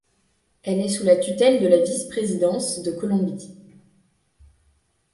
Elle est sous la tutelle de la vice-présidence de Colombie.